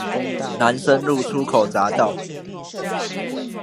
南深路出口匝道